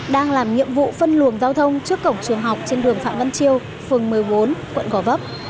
đang làm nhiệm vụ phân luồng giao thông trước cổng trường học trên đường phạm văn chiêu phường một mươi bốn quận gò vấp